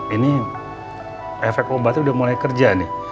ini efek obatnya udah mulai kerja nih